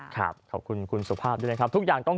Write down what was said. ครับขอบคุณคุณสุภาพด้วยนะครับ